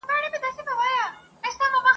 ماته دا عجیبه ښکاره سوه !.